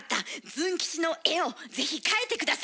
ズン吉の絵を是非描いて下さい！